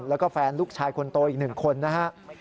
แล้วก็แฟนลูกชายคนโตอีก๑คนนะครับ